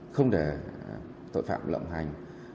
không để tội phạm lộng hành